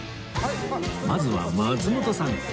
まずは松本さん